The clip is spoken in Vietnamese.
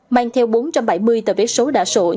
mang theo bốn trăm bảy mươi tờ vé số đã sổ